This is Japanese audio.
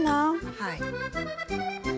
はい。